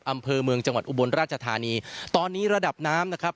อำเภอเมืองจังหวัดอุบลราชธานีตอนนี้ระดับน้ำนะครับ